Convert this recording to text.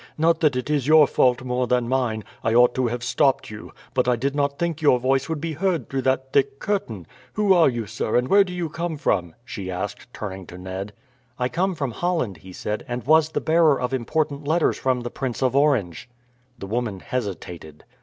"Not that it is your fault more than mine. I ought to have stopped you, but I did not think your voice would be heard through that thick curtain. Who are you, sir, and where do you come from?" she asked, turning to Ned. "I come from Holland," he said, "and was the bearer of important letters from the Prince of Orange." The woman hesitated.